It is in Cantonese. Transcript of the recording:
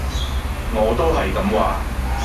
我都係咁話